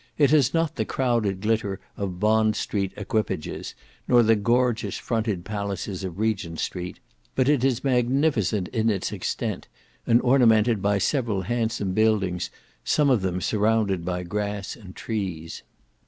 It has not the crowded glitter of Bond Street equipages, nor the gorgeous fronted palaces of Regent Street; but it is magnificent in its extent, and ornamented by several handsome buildings, some of them surrounded by grass and trees.